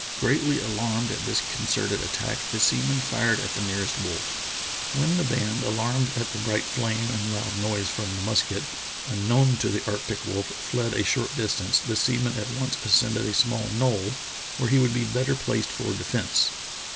Greatly alarmed at this concerted attack, the seaman fired at the nearest wolf. When the band, alarmed at the bright flame and loud noise from the musket — un known to the arctic wolf — fled a short distance the sea man at once ascended a small knoll where he would be better placed for defence.